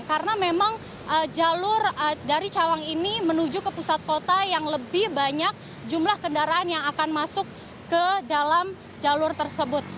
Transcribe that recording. karena memang jalur dari cawang ini menuju ke pusat kota yang lebih banyak jumlah kendaraan yang akan masuk ke dalam jalur tersebut